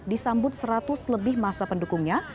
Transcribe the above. disambut seratus lebih masa pendukungnya